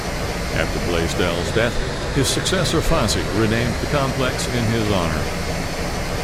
After Blaisdell's death, his successor Fasi renamed the complex in his honor.